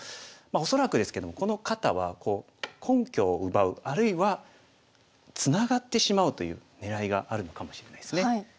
恐らくですけどもこの方は根拠を奪うあるいはツナがってしまうという狙いがあるのかもしれないですね。